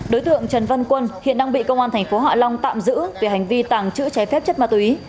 đối tượng trần văn quân hiện đang bị công an tp hạ long tạm giữ về hành vi tàng trữ trái phép chất ma túy